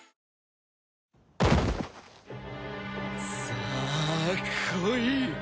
さあ来い！